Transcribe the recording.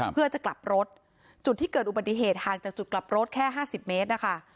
เพื่อจะกลับรถจุดที่เกิดอุบัติเหตุห่างจากจุดกลับรถแค่๕๐เมตรนะคะ